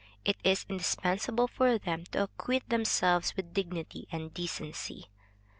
It is indispensable for them to acquit themselves with dignity and decency.